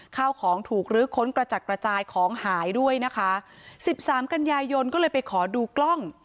ข้าวของถูกลื้อค้นกระจัดกระจายของหายด้วยนะคะสิบสามกันยายนก็เลยไปขอดูกล้อง